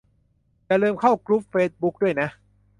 อย่าลืมเข้ากรุ๊ปเฟซบุ๊กด้วยนะ